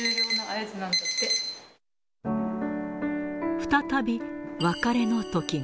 再び別れの時が。